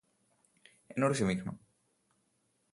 എന്നോട് ക്ഷമിക്കണം